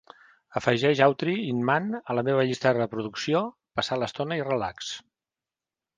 Afegeix Autry Inman a la meva llista de reproducció Passar l'estona i Relax.